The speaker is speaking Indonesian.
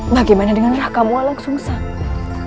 bagaimana dengan raka mualang sumsang